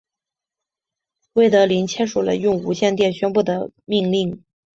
魏德林签署了用无线电宣布的命令。